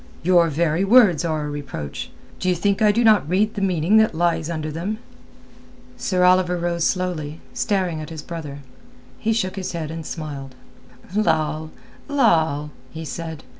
"Your very words are a reproach. D'ye think I do not read the meaning that lies under them?" Sir Oliver rose slowly, staring at his brother. He shook his head and smiled. "Lal, Lal!" he said.